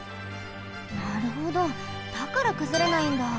なるほどだからくずれないんだ。